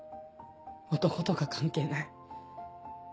男とか関係ない。